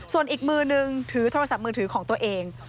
ส่วนอีกมือนึงถือโทรศัพท์มือถือของตัวเอง